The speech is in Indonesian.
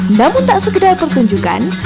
namun tak segedar pertunjukan